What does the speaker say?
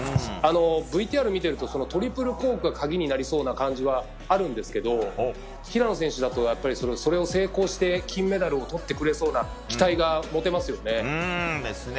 ＶＴＲを見ているとトリプルコークが鍵になりそうな感じはあるんですが平野選手だと、それを成功して金メダルをとってくれそうな期待が持てますよね。